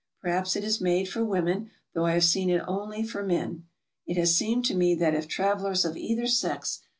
Perhaps it is made for women, though I have seen it only for men. It has seemed to me that if travelers of either sex.